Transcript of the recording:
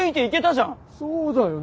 そうだよ。